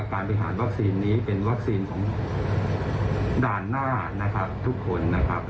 การไปหารวัคซีนนี้เป็นวัคซีนของด่านหน้าทุกคน